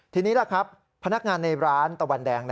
ทีนี้ล่ะครับพนักงานในร้านตะวันแดง